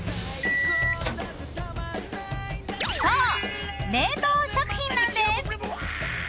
そう、冷凍食品なんです！